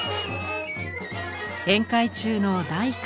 宴会中の大工さん。